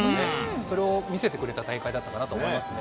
それを見せてくれた大会だったかなと思いますね。